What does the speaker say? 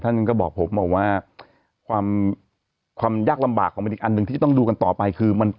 ท่านก็บอกผมบอกว่าความความยากลำบากของมันอีกอันหนึ่งที่จะต้องดูกันต่อไปคือมัน